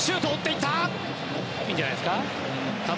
いいんじゃないんですか。